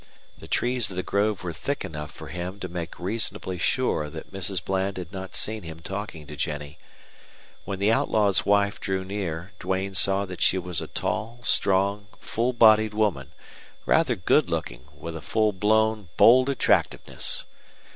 The trees of the grove were thick enough for him to make reasonably sure that Mrs. Bland had not seen him talking to Jennie. When the outlaw's wife drew near Duane saw that she was a tall, strong, full bodied woman, rather good looking with a fullblown, bold attractiveness.